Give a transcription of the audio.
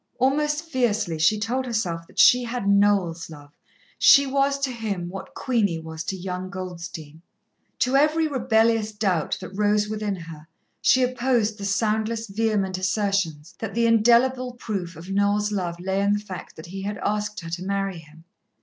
Almost fiercely she told herself that she had Noel's love. She was to him what Queenie was to young Goldstein. To every rebellious doubt that rose within her, she opposed the soundless, vehement assertions, that the indelible proof of Noel's love lay in the fact that he had asked her to marry him.